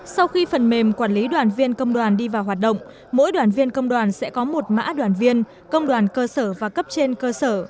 sau khi phần mềm quản lý đoàn viên công đoàn đi vào hoạt động mỗi đoàn viên công đoàn sẽ có một mã đoàn viên công đoàn cơ sở và cấp trên cơ sở